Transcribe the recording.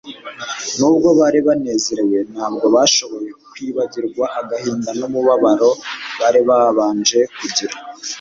Nubwo bari banezerewe, ntabwo bashoboye kwibagirwa agahinda n'umubabaro bari babanje kugira.